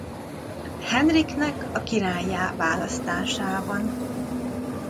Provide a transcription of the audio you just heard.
Henriknek a királlyá választásában.